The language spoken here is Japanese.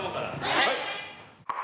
はい！